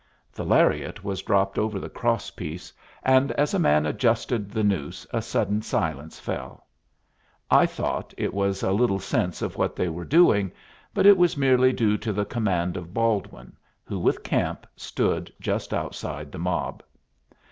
The lariat was dropped over the crosspiece, and as a man adjusted the noose a sudden silence fell. I thought it was a little sense of what they were doing, but it was merely due to the command of Baldwin, who, with Camp, stood just outside the mob.